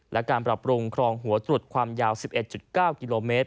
และการปรับปรุงครองหัวตรวจความยาว๑๑๙กิโลเมตร